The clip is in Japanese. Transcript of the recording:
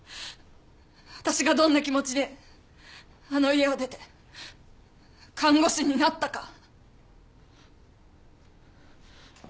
私がどんな気持ちであの家を出て看護師になったか。